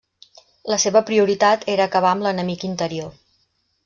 La seva prioritat era acabar amb l'enemic interior.